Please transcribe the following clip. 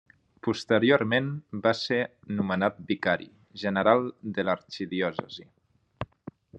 Posteriorment va ser nomenat vicari general de l'arxidiòcesi.